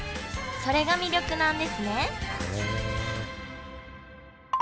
それが魅力なんですね